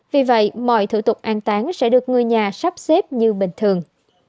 vì vậy mọi thủ tục an tán sẽ được người nhà sắp xếp như bình thường